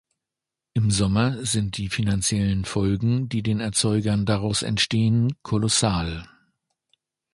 Im Sommer sind die finanziellen Folgen, die den Erzeugern daraus entstehen, kolossal.